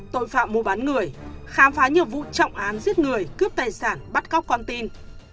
tội phạm mua bán người khám phá nhiều vụ trọng án giết người cướp tài sản bắt cóc con tin